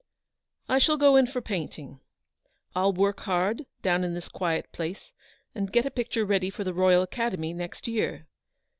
" I shall go in for painting. I'll work hard, down in this quiet place, and get a picture ready for the Royal Academy next year.